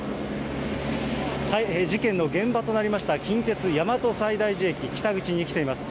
事件の現場となりました近鉄大和西大寺駅北口に来ています。